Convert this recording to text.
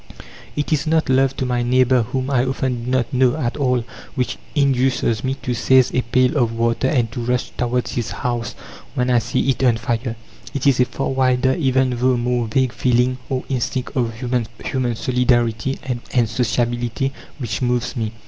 It is not love to my neighbour whom I often do not know at all which induces me to seize a pail of water and to rush towards his house when I see it on fire; it is a far wider, even though more vague feeling or instinct of human solidarity and sociability which moves me.